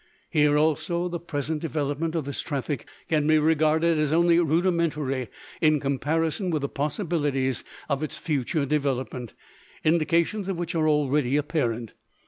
Here also the present development of this traffic can be regarded as only rudimentary in comparison with the possibilities of its future development, indications of which are already apparent.